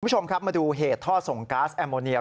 คุณผู้ชมครับมาดูเหตุท่อส่งก๊าซแอมโมเนีย